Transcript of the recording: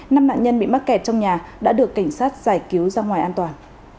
năm nạn nhân bị mắc kẹt trong nhà đã được cảnh sát giải cứu ra ngoài an toàn